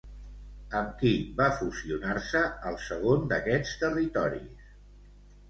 Amb qui va fusionar-se el segon d'aquests territoris?